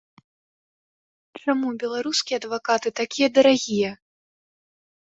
Чаму беларускія адвакаты такія дарагія?